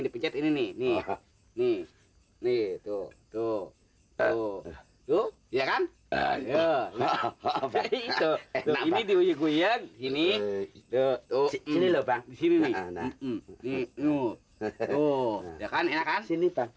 dipijat ini nih nih nih tuh tuh tuh tuh ya kan ya itu ini dihuyuk huyuk ini tuh ini lupa sini